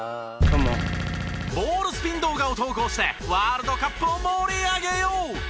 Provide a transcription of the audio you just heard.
ボールスピン動画を投稿してワールドカップを盛り上げよう！＃